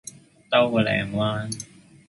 兜個靚彎